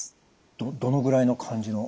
どのぐらいの感じの？